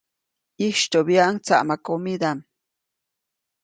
ʼYistyoʼbyaʼuŋ tsaʼmakomidaʼm.